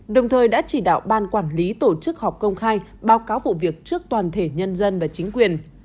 đồng thời đã chỉ đạo ban quản lý tổ chức họp công khai báo cáo vụ việc trước toàn thể nhân dân và chính quyền